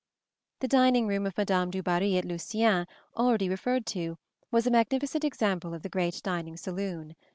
The dining room of Madame du Barry at Luciennes, already referred to, was a magnificent example of the great dining saloon.